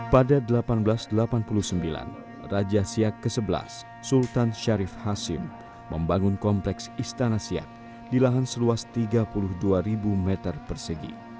pada seribu delapan ratus delapan puluh sembilan raja siak ke sebelas sultan syarif hasim membangun kompleks istana siak di lahan seluas tiga puluh dua meter persegi